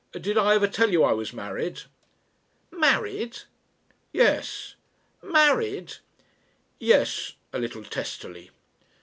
"Did I ever tell you I was married?" "Married?" "Yes." "Married!" "Yes," a little testily.